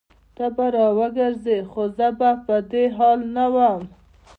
ته به راوګرځي خو زه به په دې حال نه وم